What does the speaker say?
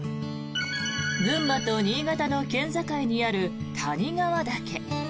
群馬と新潟の県境にある谷川岳。